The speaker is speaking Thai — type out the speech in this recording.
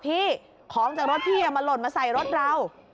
ของจากรถพี่มาหล่นมาใส่รถเรา